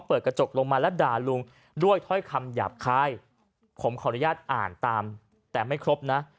เปิดกระจกลงมาแล้วด่าลุงด้วยถ้อยคำหยาบคายผมขออนุญาตอ่านตามแต่ไม่ครบนะ